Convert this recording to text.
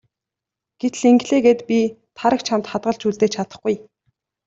Гэтэл ингэлээ гээд би Тараг чамд хадгалж үлдээж чадахгүй.